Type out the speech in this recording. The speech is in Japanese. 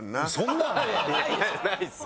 ないですよ。